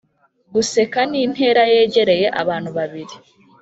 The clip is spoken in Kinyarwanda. guseka nintera yegereye abantu babiri